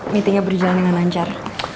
meetingnya berjalan dengan lancar